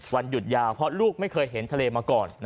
วันหยุดยาวเพราะลูกไม่เคยเห็นทะเลมาก่อน